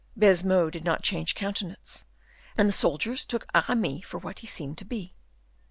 Baisemeaux did not change countenance, and the soldiers took Aramis for what he seemed to be.